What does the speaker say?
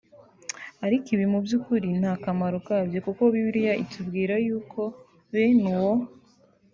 Ariko ibi mu byukuri nta kamaro kabyo kuko Bibiliya itubwira yuko bene uwo